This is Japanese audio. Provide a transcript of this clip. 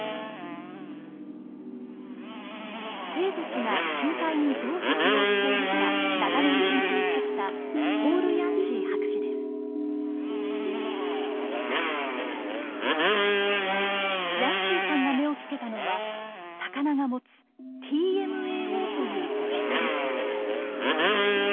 生物が深海にどう適応しているか長年研究してきたヤンシーさんが目をつけたのは魚が持つＴＭＡＯという物質でした。